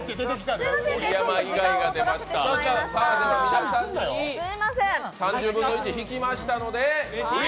では、３０分の１引きましたので。